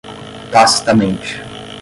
tacitamente